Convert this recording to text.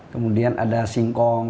kemudian ada singkong